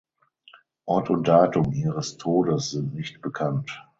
Ort und Datum ihres Todes sind nicht bekannt.